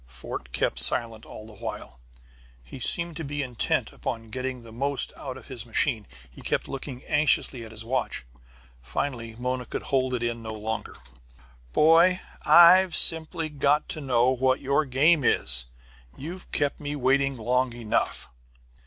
Fort kept silent all the while. He seemed to be intent upon getting the most out of his machine, and kept looking anxiously at his watch. Finally Mona could hold in no longer. "Boy, I've simply got to know what your game is. You've kept me waiting long enough."